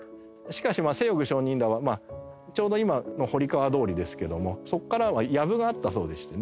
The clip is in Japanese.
しかし清玉上人らはちょうど今の堀川通ですけどもそこからはやぶがあったそうでしてね。